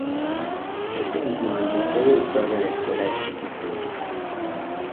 Ese mismo año, fue Director de la Escuela de Ciencias Políticas.